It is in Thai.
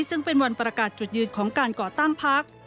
ซึ่งเป็นวันประกาศจุดยืนของการก่อตั้งพัก